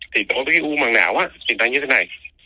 thì đối với cái u bằng não á hiện tại như thế này